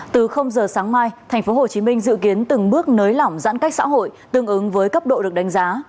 từ giờ sáng mai tp hcm dự kiến từng bước nới lỏng giãn cách xã hội tương ứng với cấp độ được đánh giá